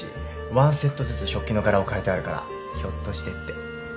１セットずつ食器の柄を変えてあるからひょっとしてって。